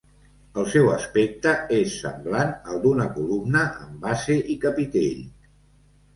El seu aspecte és semblant al d'una columna amb base i capitell.